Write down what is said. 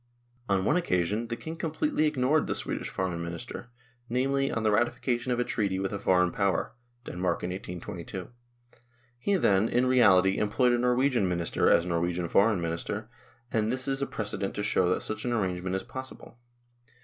1 On one occasion the King completely ignored the Swedish Foreign Minister, namely, on the ratification of a treaty with a foreign Power (Denmark in 1822) ; he then, in reality, employed a Norwegian minister as Norwegian Foreign Minister ; and this is a precedent to show that such an arrangement is possible.